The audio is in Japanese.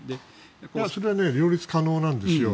それは両立可能なんですよ。